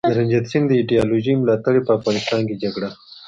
د رنجیت سینګ د ایډیالوژۍ ملاتړي په افغانستان کي جګړه